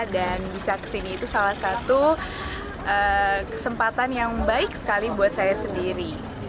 dan bisa ke sini itu salah satu kesempatan yang baik sekali buat saya sendiri